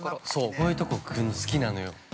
こういうところ来るの好きなのよ。